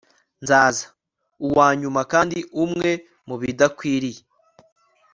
nzaza, uwanyuma kandi umwe mubidakwiriye